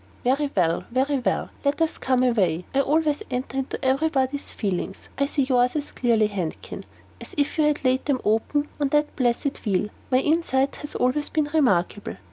"Very well, very well. Let us come away. I always enter into every body's feelings. I see yours as clearly, Handkin, as if you had laid them open on that blessed wheel. My insight has always been remarkable.